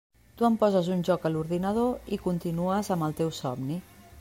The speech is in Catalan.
Tu em poses un joc a l'ordinador i continues amb el teu somni.